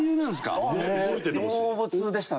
動物でしたね。